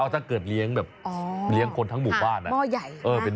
เอาแต่เกิดเลี้ยงคนทั้งหมู่บ้าน